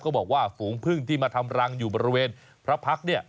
บอกว่าฝูงพึ่งที่มาทำรังอยู่บริเวณพระพักษ์เนี่ย